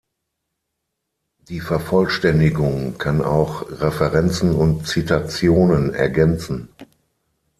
Die Vervollständigung kann auch Referenzen und Zitationen ergänzen.